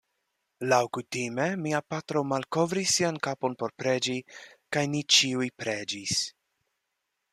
Laŭkutime mia patro malkovris sian kapon por preĝi, kaj ni ĉiuj preĝis.